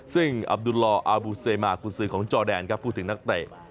ซึ่งอับดุลลออาบูเซมากุศือของจอแดนครับพูดถึงนักเตะ